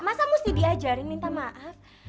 masa mesti diajarin minta maaf